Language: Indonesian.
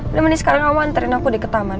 udah mbak andi sekarang kamu anterin aku ke taman